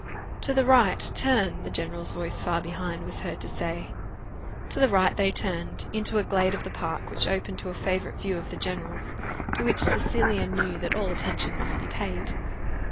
'" "To the right, turn," the general's voice far behind was heard to say. To the right they turned, into a glade of the park, which opened to a favourite view of the general's, to which Cecilia knew that all attention must be paid.